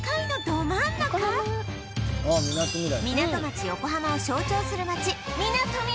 港町横浜を象徴する街みなとみらいに！